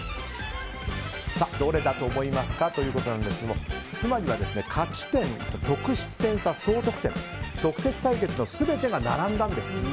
どれだと思いますか？ということなんですけどもつまりは勝ち点、得失点差、総得点直接対決の全てが並んだんです。